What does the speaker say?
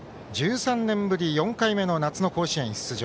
１３年ぶり４回目の夏の甲子園出場